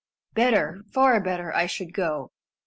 Better far better I should go.